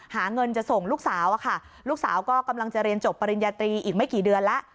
หาเงินจะส่งลูกสาวอะค่ะลูกสาวก็กำลังจะเรียนจบปริญญาตรีอีกไม่กี่เดือนแล้ว